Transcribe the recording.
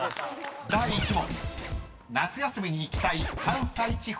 ［第１問］